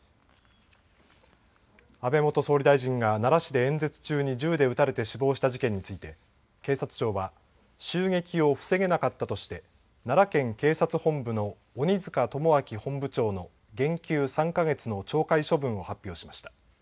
安倍元総理大臣が奈良市で演説中に銃で撃たれて死亡した事件について警察庁は襲撃を防げなかったとして奈良県警察本部の鬼塚友章本部長の減給３か月の懲戒処分を発表しました。